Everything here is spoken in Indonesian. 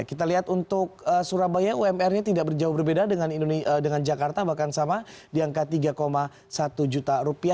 kita lihat untuk surabaya umr nya tidak berjauh berbeda dengan jakarta bahkan sama di angka tiga satu juta